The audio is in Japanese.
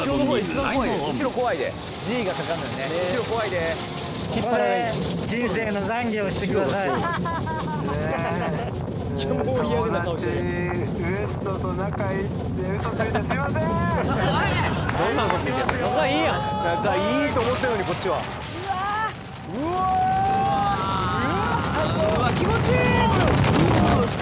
最高気持ちいい！